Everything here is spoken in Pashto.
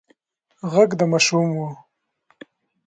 غږ د ماشوم و.